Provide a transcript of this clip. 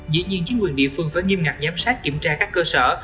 dĩ nhiên chính quyền địa phương phải nghiêm ngặt giám sát kiểm tra các cơ sở